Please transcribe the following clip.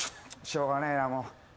しょうがねえなもう。